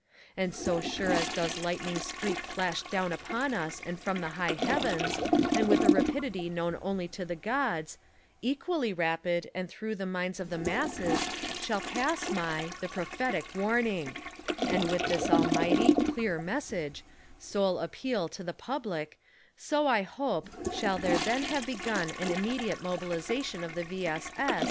And so sure as does •lightning streak flash down upon us and from the high heavens, and with a rapidity known only to the gods, equally rapid and through the minds of the masses shall pass my, the prophetic warning; and with this almighty, clear message, soul appeal to the public so, I hope, shall there then have begun an immediate mobilization of the V. S. S.